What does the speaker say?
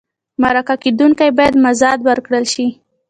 مرکه کېدونکی باید مزد ورکړل شي.